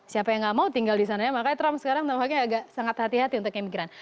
siapa yang gak mau tinggal di sana ya makanya trump sekarang agak sangat hati hati untuk emigran